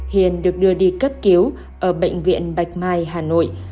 hiền được đưa đi cấp cứu ở bệnh viện bạch mai hà nội